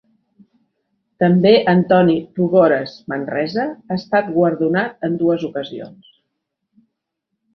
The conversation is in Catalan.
També Antoni Tugores Manresa ha estat guardonat en dues ocasions.